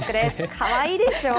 かわいいでしょう。